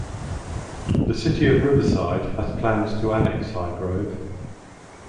The City of Riverside has plans to annex Highgrove.